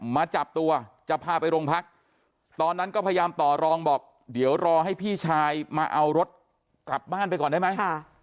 มาจับตัวจะพาไปโรงพักตอนนั้นก็พยายามต่อรองบอกเดี๋ยวรอให้พี่ชายมาเอารถกลับบ้านไปก่อนได้ไหม